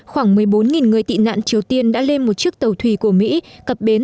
khoảng một mươi bốn người tị nạn triều tiên đã lên một chiếc tàu thùy của mỹ cập bến